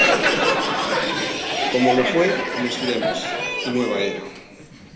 Como lo fue: "Nos iremos" y "Nueva Era".